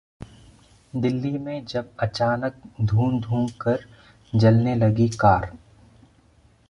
दिल्ली में जब अचानक धूं-धूं कर जलने लगी कार